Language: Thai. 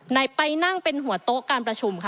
ไหนไปนั่งเป็นหัวโต๊ะการประชุมค่ะ